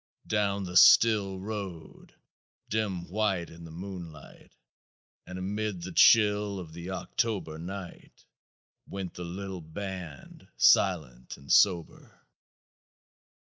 "Down the still road, dim white in the moonlight, and amid the chill of the October night, went the little band, silent and sober."